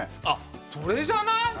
あそれじゃない？